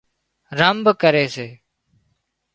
رنڀ ڪري سي